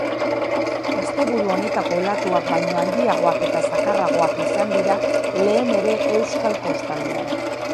Asteburu honetako olatuak baino handiagoak eta zakarragoak izan dira lehen ere euskal kostaldean.